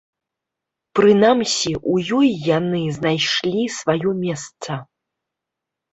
Прынамсі, у ёй яны знайшлі сваё месца.